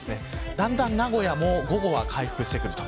だんだん名古屋も午後は回復してきます。